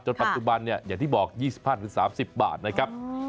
ปัจจุบันเนี่ยอย่างที่บอก๒๕๓๐บาทนะครับ